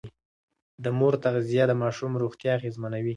د مور تغذيه د ماشوم روغتيا اغېزمنوي.